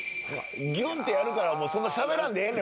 ギュンってやるからそんなしゃべらんでええねん